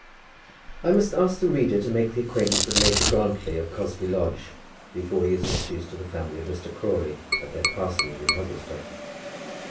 I must ask the reader to make the acquaintance of Major Grantly of Cosby Lodge, before he is introduced to the family of Mr. Crawley, at their parsonage in Hogglestock.